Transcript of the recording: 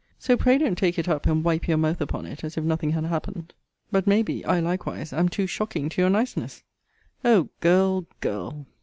So pray don't take it up, and wipe your mouth upon it, as if nothing had happened. But, may be, I likewise am to shocking to your niceness! O girl, girl!